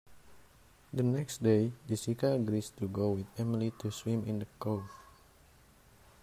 The next day, Jessica agrees to go with Emily to swim in the cove.